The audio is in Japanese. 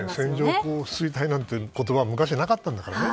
線状降水帯なんて言葉は昔はなかったんだからね。